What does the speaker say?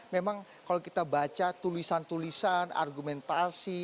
memang kalau kita baca tulisan tulisan argumentasi